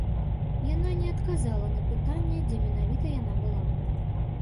Яна не адказала на пытанне, дзе менавіта яна была.